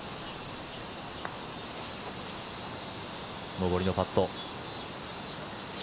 上りのパット。